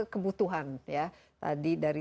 kebutuhan ya tadi dari